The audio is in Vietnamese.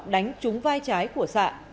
đánh trúng vai trái của sạ